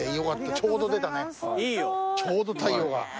ちょうど太陽が。